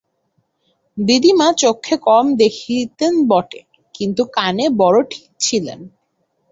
দিদিমা চক্ষে কম দেখিতেন বটে, কিন্তু কানে বড়ো ঠিক ছিলেন।